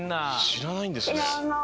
しらないんですね。